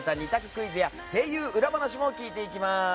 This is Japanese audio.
クイズや声優裏話も聞いていきます。